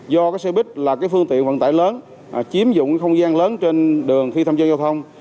do cái xe buýt là cái phương tiện vận tải lớn chiếm dụng không gian lớn trên đường khi tham gia giao thông